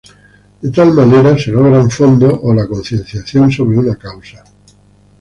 De tal manera, se logran fondos o la concienciación sobre una causa.